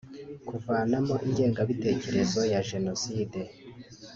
kubavanamo ingengabitekerezo ya Jenoside